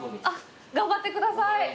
頑張ってください！